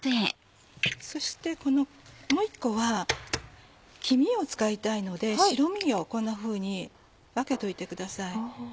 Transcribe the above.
そしてこのもう１個は黄身を使いたいので白身をこんなふうに分けておいてください。